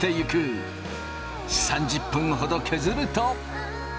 ３０分ほど削ると。